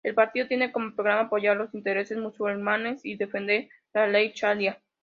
El partido tiene como programa apoyar los intereses musulmanes y defender la ley sharia.